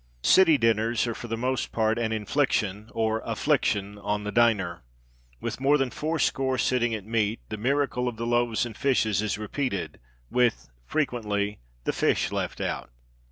City Dinners are for the most part an infliction (or affliction) on the diner. With more than fourscore sitting at meat, the miracle of the loaves and fishes is repeated with, frequently, the fish left out.